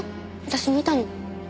私見たの。